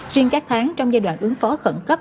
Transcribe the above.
riêng các tháng trong giai đoạn ứng phó khẩn cấp